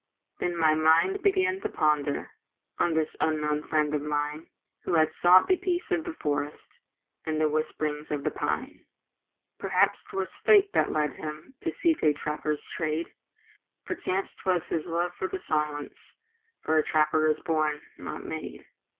Then my mind began to ponder On this unknown friend of mine, Who had sought the peace of the forest And the whisp'rings of the pine. Perhaps 'twas fate that led him To seek a trapper's trade; Perchance 'twas his love for the silence, For a trapper is born—not made.